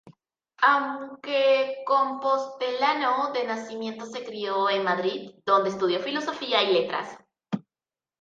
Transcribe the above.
Aunque compostelano de nacimiento, se crió en Madrid, donde estudió Filosofía y Letras.